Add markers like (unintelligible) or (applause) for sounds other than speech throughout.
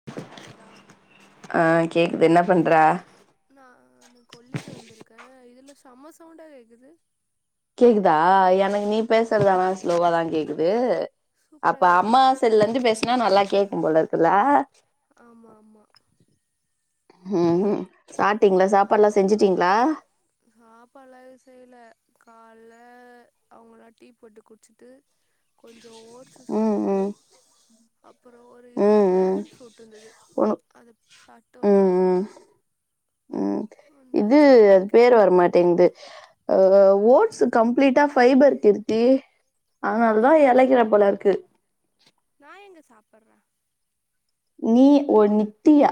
(inaudible) டா ஆ கேக்குது என்ன பண்ற நானு கொல்லிக்கு வந்திருக்கே இதுல சம்ம சவுண்டா கேக்குது கேக்குதா எனக்கு நீ பேசுறதலா ஸ்லோவாதான் கேக்குது சூப்பரா அப்ப கேக்குது அம்மா செல்லுலருந்து பேசுனா நல்லா கேக்கும் போல இருக்கு இல்ல ஆமா ஆமா சூப்பரா உம்ம் சாப்ட்டிங்களா சாப்பாடுல்லாம் செஞ்சுட்டீங்களா சாப்பாடெலாம் எதுவு செய்ல காலை அவங்கலாம் டீ போட்டு குடிச்சிட்டு கொஞ்சோம் ஓட்ஸ்ஸூ ம் சாட்டுட்டு ம் அப்புறோம் ஒரு இது ம் ம் ட்ராகன் ஃப்ரூட் இருந்தது ஒன்னு அத சாப்ட்டு வந்தோம் உம் இது வந்தாச்சு கொல்லிக்கு பேர் வரமாட்டேங்குது அ ஓட்ஸ் கம்ப்ளீட்டா ஃவைபர் கிருத்தி அதனால ம் தா இலைக்கிற போல இருக்கு நா எங்க சாப்புறேன் நீ ஒ நீ தீயா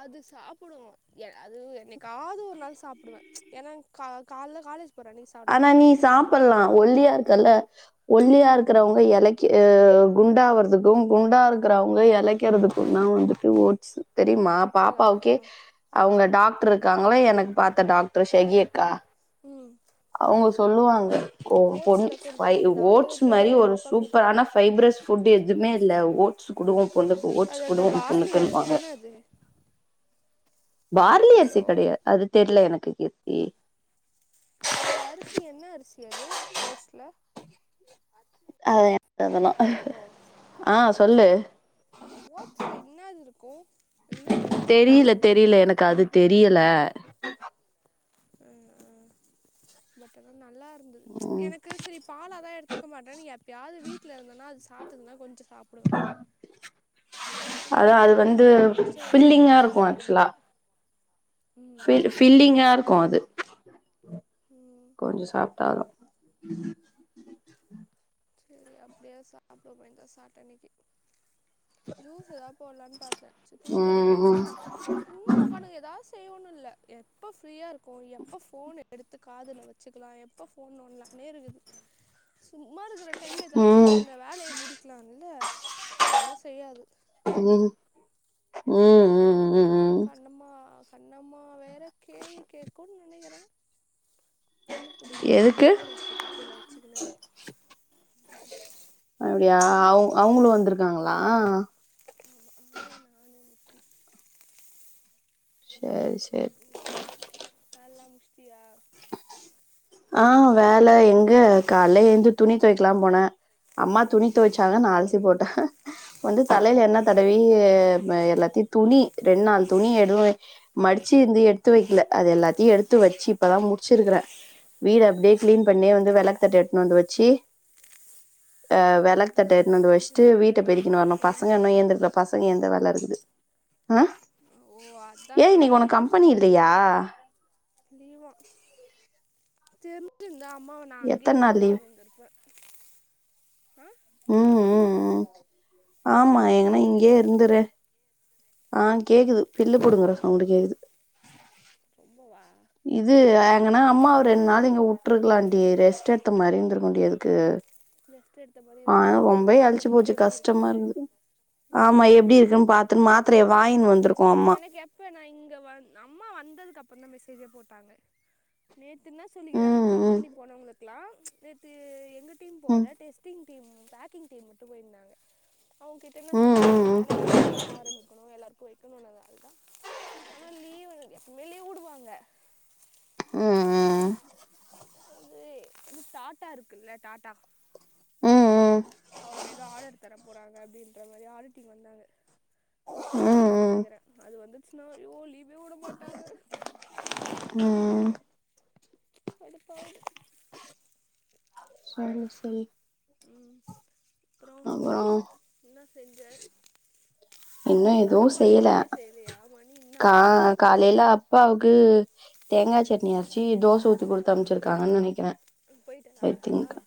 அது சாப் டுவோம் அது என்னைக்காவது ஒரு நாள் சாப்டுவேன் ஏனா காலைல காலேஜ் போற அன்னைக்கு சாப்ட ஆனா மாட்டே நீ சாப்டலாம் ஒல்லியா இருக்கல்ல ஒல்லியா இருக்கிறவங்க இழக்க குண்டாகுறதுக்கும் குண்டா இருக்கிறவங்க இழக்கிறதுக்கு நான் வந்துட்டு ஓட்ஸூ தெரியுமா சாப்பட்லாமா பாப்பாவுக்கே அவுங்க டாக்டர் இருக்காங்களா எனக்கு பாத்த டாக்டர் ஷகியக்கா உம் அவுங்க சொல்லுவாங்க ஓ பொண் ஓட்ஸ்ல கொஞ்சம் (unintelligible) ஏதாவது ஓட்ஸ் மாரி போட்டு ஒரு பாப்பாக்கு ஊட்டி விடு சூப்பரான ஃவைப்ரஸ் ஃபுட் எதுவுமே இல்ல ஓட்ஸ் குடு உன் பொண்ணுக்கு ஓட்ஸ் குடு உன் பொண்ணுக்குன்னுவாங்க தே பார்லி அரிசி கெடையாது அது தெர்ல எனக்கு கீர்த்தி அது அரிசி என்ன அரிசி அது ஓட்ஸ் ல ஓ (unintelligible) ஆ சொல்லு ஓட்ஸல என்னது இருக்கும் என்ன கிரைண்ட்ஸ் இருக்கும்னு கேக்குறே இல்ல எனக்கு அது தெரியல அ ஆ பட் ஆனா நல்லா இருந்தது ம் எனக்கு செரி பாலாதா எடுத்துக்க மாட்டேனு எப்பயாவது வீட்ல இருந்தனா அத சாப்பட்டுதுன்ன கொஞ்சோம் சாப்டுவே அதா அது காலேஜ் வந்து போகிற அன்னைக்கு சே போகிற ஃபில்லிங்கா அன்னைக்கெலாம் இருக்கும் சாப்பிட ஆக்சுவலா முடியாது ம் ஃபில் ம் ஃபில்லிங்கா இருக்கும் அது ம் கொஞ்சோம் சாப்ட்டாலும் (inaudible) சேரி அப்டியா சாப்றோமேக்கா சாப்ட அன்னைக்கு ஜூஸ் ஏதாவது போடலான்னு பாத்தேன் செரி துணி துவைக்க ம் போய்ட்டனா சும்மா உக்காந்துக்கு ஏதாவது செய்வோம்னு இல்ல எப்ப ஃப்ரீயா இருக்கோம் எப்ப ஃபோன் எடுத்து காதுல வச் சுக்கலாம் எப்ப போன் நோன்டலாம்னே இருக்குது சும்மா இருக்க டைம்ல ம் ஏதாவது சின்ன ம் சின்ன வேலய முடிக்கலாம்ல அதெல்லாம் செய்யாது உம் உம்ம் க கண்ணம்மா கண்ணம்மா வேற கேள்வி கேக்கும்னு நெனைக்கிறே பில்லு பிடுங்க வன்ட்டு எதுக்கு ஃபோன எடுத்து காதுல வச்சுக்கனது அப்டியா அவ அவங்களும் வந்துருக்காங்களா ஆமா ஆயா நானு முத்தி சேர்ரி சேர்ரி வேலலாம் முடிச்சுட்டியா ஆ வேல எங்க காலேல எழுந்து துணி துவைக்கலாம் போனே அம்மா துணி துவைச்சாங்க ம் நா அலசி போட்டே வந்து தலைல எண்ண அதான் தடவி எல்லாத்தையு துணி ரெண்டு நாள் துணி எதுவு மடிச்சு இருந்து எடுத்து வெக்கல அது எல்லாத்தையு எடுத்து வச்சு இப்பதா முடிச்சிருக்கறேன வீடு அப்டியே ம் கிளீன் பண்ணி ம் வந்து விளக்கு தட்ட எடுத்துன்னு வந்து வச்சி ஆ ஆமா விளக்குத்தட்ட காலைலே எடுத்துனு வச்சுட்டு செஞ்சிடலாம்ல வீட்ட நானும் பெரிக்கின்னு அதான் வரணு பசங்க செய்யணும் இன்னு போயிட்டு எந்திரிக்ல பசங்க எந்த வேல இருக்குது ஆ ஓ ஏ அத்தான் இன்னைக்கு வேலைய உனக்கு கம்பெனி முஸ்சுட்டுக்கற இல்லையா லீவா தெரிஞ்சிருந்தா அம்மாவ நா அங்கயே எத்தன நாள் வுட்டு லீவ் வந்துருப்பே ஆ ம் ம் ம் எதாவ்து ஆமா சவுண்டு எங்கன்னா கேக்குதா இங்கயே இருந்துரு ஆ கேக்குது பில்லு புடுங்குற சவுண்டு கேக்குது ரொம்ப வா இது எங்கன்னா அம்மாவ ஒரு ரெண்டு நாளு இங்க வுட்டுருக்கலாம்ண்டி ரெஸ்ட் எடுத்த மாதிரிந்திருக்கு ண்டி அதுக்கு ரெஸ்ட் எடுத்த மாரி ஆ இருக்கு அந்த ரொம்பவே மாத்திர எளச்சு போட்டு போச்சு எப்டி இருக்குன்ட்டு கஷ்டமாருந்தது ஆமா ம் எப்டி இருக்குன்னு பாத்துன்னு மாத்ரைய வாய்ன்னு வந்த்ருக்கு அம்மா இப்போ நான் இங்க வந் அம்மா வந்ததுக்கப்றோம் தா மெசேஜே போட்டாங்க நேத்துனா சொல்லிக்கிறாங்க ம் ம் கம்பெனி போனவங்களுகெல்லா நேத்து எங்க டீம் ம் போல testing team, packing team மட்டும் போயிருந்தாங்க அவுங்க கிட்ட என்ன ம் சொல்லிக்கிறாங்க ம் நாளைையிலேந்து வேல ஆரம்பிக் க்கணு எல்லாருக்கு வைக்கணும்னாங்க அதுதா ஆனா லீவ் எப்பமே லீவ்வு வுடுவாங்க உம் ம் அது இது டாட்டா இருக்குல்ல டாட்டா ம் ம் அவுங்க எதோ ஆடர் தர போறாங்க அப்டின்ற மாரி ஆடர் டீம் வந்தாங்க ம் குடுத்துருவாங்கதா ம் நெனக்கிறே அது வந்துச்சுன்னா ஐயோ லீவே விட மாட்டாங்க உம் கடுப்பாகுது சரி சரி உம் அப்றோ என்ன செஞ்ச இன்னு எதுவு சாப்பாடு செய்யல எதுவுமே செய்யலியா மணி இன்னா கா ஆவுது காலைல அப்பாவுக்கு தேங்கா சட்னி அரச்சு தோச ஊத்தி குடுத்து அமச்சிருக்காங்கன்னு நெனக்கிறே போயிட்டாரா செரி அப்பா தின்க்க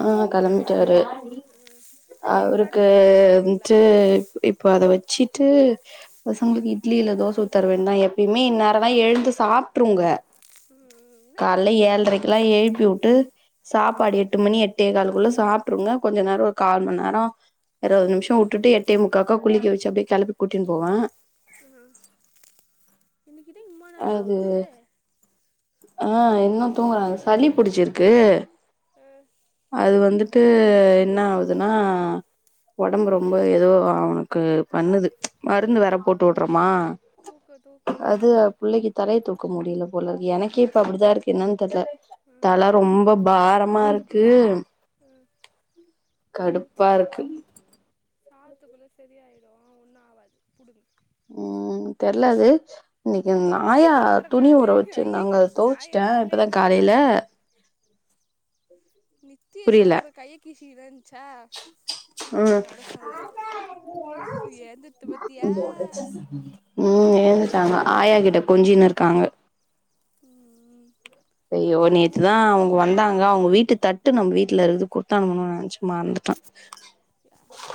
ஆ கெளம்பிட்டாரு ம் இப்போ கடை அவருக்கு திறந்து வச்சுருப்பீங்களா வந்த்ட்டு இப்போ அத வச்சிட்டு பசங்களுக்கு இட்லி இல்ல தோச ஊத்தி தர வேணு தா எப்பயுமே இந்நேரோ தா எழுந்து சாப்ட்டுருங்க ம் ம். என்ன இன்னைக்கு காலைல தூங்குது ஏழரைக்கெல்லா எழுப்பி வுட்டு சாப்பாடு எட்டு மணி எட்டே காலக்குள்ள சாப்ட்டுருங்க கொஞ்ச நேரோ ஒரு கால் மண் நேரோ இருவது நிமிஷோ வுட்டுட்டு எட்ட முக்காக்கா குளிக்க வச்சு அப்டியே கெளப்பி கூட்டின்னு போவே ம் இன்னக்கிட்ட இம்மா நேரோ அது ஆவுது ஆ இன்னு தூங்குறாங்க சளி புடிச்சிருக்கு ஆ அது வந்துட்டு என்னா ஆவுதுன்னா ஒடம்பு ரொம்ப ஏதோ அவனுக்கு பண்ணுது மருந்து வேற போட்டு விடுறோமா தூக்கம் தூக்கம் அது வருதுன்னு நினைக்கிறேன் புள்ளக்கீ தலைய தூக்க முடில போல எனக்கே இப்ப அப்டிதா இருக்கு என்னான் தெர்ல ம் தல ரொம்ப பாரமா இருக்கு ம் கடுப்பா இருக்கு சாவுத்துக்குள்ள சரியாயிடு ஒன்னு ஆவாது புடுங்கு ம் தெர்ல அது இன்னைக்கு எங்க நித்திய ஆயா சொல்கிறேன் துணி நான் ஊற ஐயா வச்சுருந்தாங்க நான் தொவச்சுட்டே எங்கள் பிள்ளைய இப்பதா காலைல சொல்கிறேன் நித்தியா புரியல சொல்றா கைய கிழிச்சிக்கிறன்ச்சா ம் அதனால சொன்னே எந்துர்த்து பத்தியா ம் எழுந்துட்டாங்க ஆயாக்கிட்ட கொஞ்சின்னு இருக்காங்க ம் ம் ஐயோ அத எங்க நேத்துதா வுட்டது அவங்க வந்தா வந்தாங்க அவங்க வீட்டு தட்டு நம்ம வீட்ல இருக்குது குத்தனுப்பணு நெனச்சே மறந்துட்டே யாரு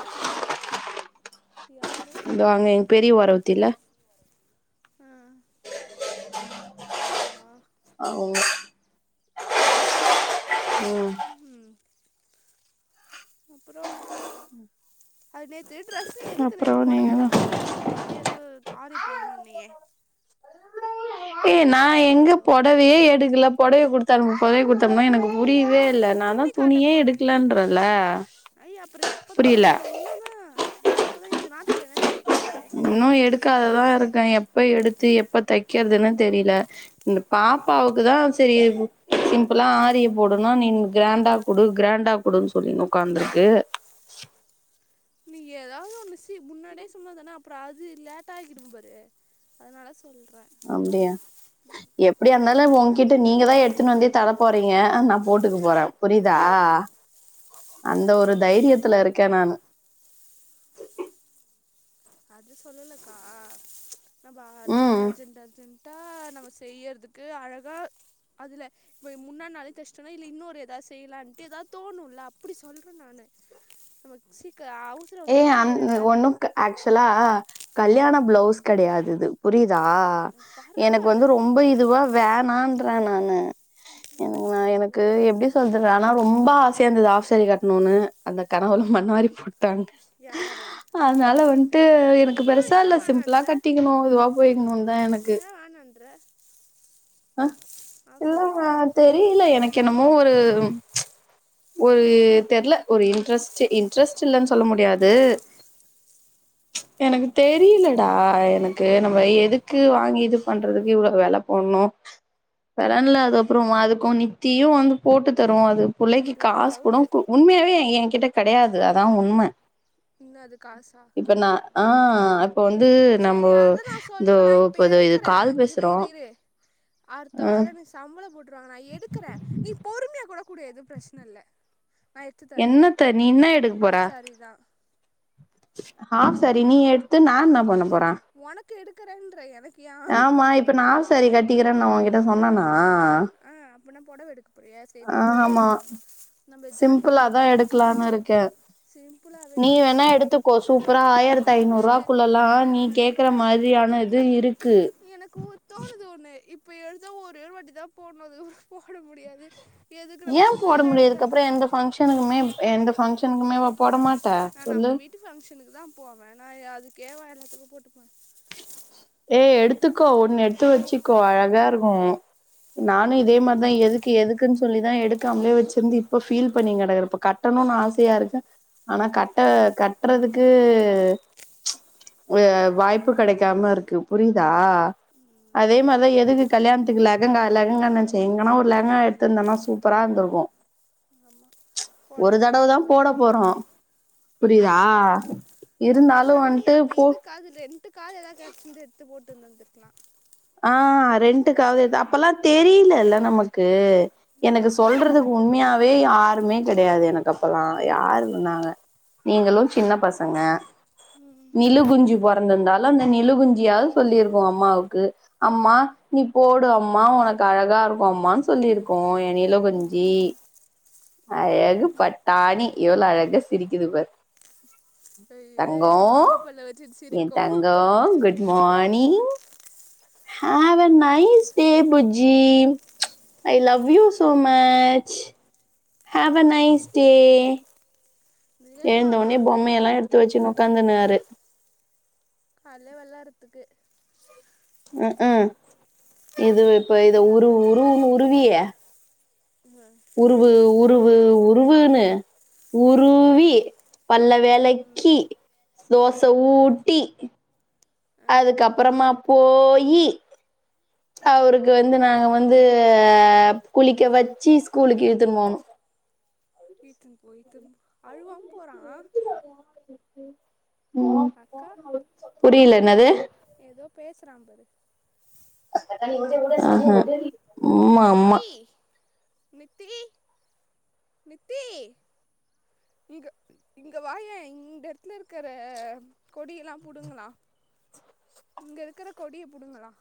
யாரு தோ அங்க பெரிய ஓரவத்தி இல்ல அவுங்குலா அவுங்க ம் ம் அப்பறோ அது நேத்து ட்ரஸ்ஸு எதுக்கு அப்புறோ நேத்து பொடவைலா நீங்கதா குடுத்தனுப்பிருக் ருக்லால எது ஆரி போட்ணுனியே ஏ நா எங்க ஹலோ பொடவயே எடுக்ல பொடவய குடுத்தனுப் பொடவய குடுத்தனுப்னா எனக்கு புரியவே உன்ன இல்ல இது நா தா துணி காட்ட துணியே எடுக்கலன்றல அப்றோ எப்போதா புரியல இன்னு தா எப்போதா இந்த நாத்து கெழமயாது போயி எத்துனு வந்துரு இன்னு எடுக்காததா இருக்கே எப்ப எடுத்து எப்ப தைக்கறதுனு தெரில இந்த பாப்பாவுக்கு தா செரி சிம்பிளா ஆரிய போடுணு நீனு கிராண்டா குடு கிராண்டா குடுனு சொல்லினு ஒக்காந்துருக்கு நீ எதாவ்து ஒன்னு சி முன்னாடியே சொன்னாதான அப்றோ அது லேட்டாக்கிடும்பாரு அதனால சொல்றே அப்டியா எப்டியாருந்தாலு ம்ஹூம் ஓங்கிட்ட நீங்க தா எடுத்துனு வந்தே தர போறீங்க நா போட்டுக்க போறே புரிதா இல்ல அந்த அது ஒரு நீங்கதா எடுத்துனு வந்து தைரியத்துல இருக்கே நானு அது சொல்லலக்கா நம்ப அர்ஜென்ட் ம் அர்ஜென்ட் அர்ஜென்ட் ட்டா நம்ப செய்யறதுக்கு அழகா அதுல இப்ப முன்னா நாளே தச்சிட்டோனா இல்ல இன்னொரு எதாது செய்லான்ட்டு எதாது தோணுல அப்டி சொல்றே நானு நமக் சீக்க ஆவுட் ஏ அந் ஒன்னு ஆக்ச்சுவலா கல்யாண பிளவுஸ் கெடையாது இது புரிதா எனக்கு பரவாயில்ல வந்து ரொம்ப இதுவா வேணான்றே நானு எனக் நா எனக்கு எப்டி சொ சொல்றது ஆனா ரொம்ப ஆசயாருந்துது ஆஃப்சேரி கட்ணுனு அந்த கனவுல மண்ண வாரி போட் யாரு அதனால வன்ட்டு எனக்கு பெருசா இல்ல ஏன் சிம்பிளா வேணான்ற கட்டிக்கிணு இதுவா போய்க்குணுன்தா எனக்கு ஏன் வேணான்ற அ ஆஃப் சாரி கட்டு இல்லம தெரில எனக்கு என்னமோ ஒரு ஒரு தெர்ல ஒரு இன்ட்ரெஸ்ட்டு இன்ட்ரெஸ்ட் இல்லனு சொல்ல முடியாது எனக்கு தெரியிலடா எனக்கு நம்ம எதுக்கு வாங்கி இது பண்றதுக்கு இவ்ளோ வெல போன்னு வரன்ல அதுகப்றோ அதுக்கு நித்தியு வந்து போட்டு தருவோ அது புள்ளைக் எனக்கு ஒரு காசு கூடோ டவுட்டு கு உண்மயாவே எ கிட்ட கெடையாது அதா உண்ம இன்னும் அது காசா இப்ப நா ஆ இப்ப வந்து நம்போ சரி அதான் நான் இந்தோ சொல்றேன் நான் இப்ப இது எடுக்கறேன் கால் இரு பேசுறோ இரு இரு அடுத்த ஆ வாரோன் வச் சம்பளோ போட்டுருவாங்க நா எடுக்கற நீ பொறுமையா கூட குடு எது பிரச்ன இல்ல நா எத்து தாரே என்னத்த நீ என்ன எடுக்க போற ஹாஃப் சேரிதா ஹாஃப் சேரி நீ எடுத்து நா என்னா பன்ன போற ஒனக்கு எடுக்கறன்ற எனக் ஆமா இப்ப நா ஆப் சேரி கட்டிக்கிறன் நா ஒகிட்ட சொன்னனா ஆ அப்பின்னா பொடவ எடுக்கப் போரியா ஆ செரினாவோ ஆமா எடுத்துக்கோ நம்ம ஜாக்கெட்லாம் சிம்பிளாதா எடுத்து எடுக்கலான் இருக்க சிம்பிளாவே நீ கூட வேணா எடுத்துக்கோ சூப்பரா ஆயிரத் ஐநூறுவாக்குள்ளலா நீ கேக் கற மாதிரியான இது இருக்கு எனக்கு தோணுது ஒன்னு இப்ப எடுத்தா ஒரே ஒரு வாட்டி தா போட்னு அதுகப்றோ போட முடியாது எதுக்கு நம்ம ஏ போட சுடிதாரே எடுத் முடியாதுக்கு தர அப்புறோ எந்த ஃபங்க்ஷனுக்குமே எந்த ஃபங்க்ஷனுக்குமேவா போட மாட்ட சொல்லு வுட்டு ஃபங்க்ஷனுக்கு தா போவே நா அதுக்கே வா எல்லாத்துக்கு போட்டுப்ப ஏ எடுத்துக்கோ ஒன்னு எடுத்து வச்சிக்கோ அழகா இருக்கு நானு இதே மாரிதா எது எதுக்குன் சொல்லி தா எடுக்காமலே வச்சிருந்து இப்ப ஃபீல் பண்ணி கெடக்கற இப்ப கட்டணுனு ஆசையா இருக்கு ஆனா கட்ட கட்டறதுக்கு வெ வாய்ப்பு கெடைக்காம இருக்கு புரியுதா அதே ம், மாரிதா எதுக்கு கல்யாண்த்துக்கு லெகங்கா லெகங்கானாச்சு எங்கன்னா ஒரு லெகங்கா எடுத்திருந்தனா சூப் பரா இருந்துருக்கு ஆமா பொடவ கட்டிட் தா வர்ல போட போறோ புரியுதா ம் இருந்தாலு பேசாம நீ வன்ட்டு அப்ப போ இதுக்காது ரென்ட்டு காது ஏதாவது கெடச்சிந்து எடுத்து போட்டு இருந்துருந்துக்லா ஆ ரென்ட் காவது அப்பல்ல தெரியல இல்ல நமக்கு எனக்கு இப்போ தான் சொல்றதுக்கு அதெல்லாம் தெரியுது உண்மயாவே யாருமே கெடையாது எனக் அப்பலா யாரு இருந்தாக நீங்களு சின்ன பசங்க ம் ம் நிலுகுஞ்சி பொறந்திர்ந்தாலு அந்த நிலுகுஞ்சியாவது சொல்லிருக்கு அம்மாவுக்கு அம்மா நீ போடு அம்மா உனக்கு அழகா இருக்கு அம்மானு சொல்லிருக்கு எ நிலு குஞ்சி அழகு பட்டாணி எவ்ளோ அழகா சிரிக்குது பார் ஐயே தங்கோ நுண்ணி பல்ல வச்சு எ சிரிக்கும் தங்கோ குட் மானிங் have nice day புஜ்ஜீ I love you so much have nice day எழுந்த நிலன்மா ஒன்னே பொம்மயலா எடுத்து வச்சுன் உக்காந்துனாரு கால்யே வெளாரத்துக்கு ம்க்ம் இது இப்ப இத உரு காலைல உரு விளாடுச்சு உருவி (unintelligible) உருவு உருவு உருவுன்னு உருவி ம் பல்ல ம் வெளக்கி தோச ஆ ஊட்டி ஆ அதுக்கப்பறமா போயி ம் அவருக்கு வந்து நாங்க வந்து குளிக்க வச்சு ஸ்கூலுக்கு இழுதுனு போனு இழுதுனு போய்டு அழுவாம போறா ம் புரியல என்னது எதோ பேசுறா பாரு ம் ஹம் நித்தி நித்தி நித்தி ஈக இங்க வாயே இ ந்தடதுல இருக்கிற கொடியலா புடுங்களா இங்க இருக்கற கொடிய புடுங்களா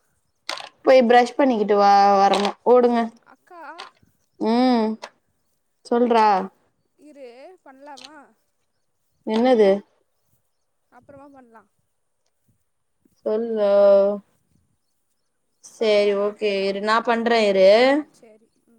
போய் ப்ரஷ் பண்ணிக்கிட்டு வா வரணு ஓடுங்க அக்கா ம் சொல்றா இரு பண்லாமா என்னது அப்றமா பண்லா சொல்லு செரி பாரா ஓகே இரு நா பண்றே இரு ஆ சரி ம்